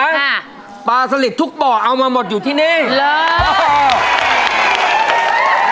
ค่ะปลาสลิดทุกบ่อเอามาหมดอยู่ที่นี่เลย